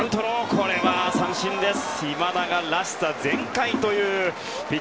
これは三振です。